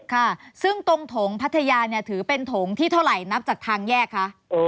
ค่ะซึ่งตรงถงพัทยาเนี่ยถือเป็นถงที่เท่าไหร่นับจากทางแยกคะ